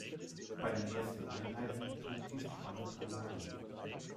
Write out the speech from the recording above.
Bei den ersten Einheiten betrug diese Spanne drei Jahre.